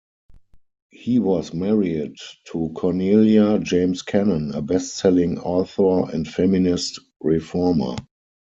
He was married to Cornelia James Cannon, a best-selling author and feminist reformer.